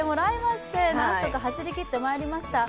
何とか走りきってまいりました。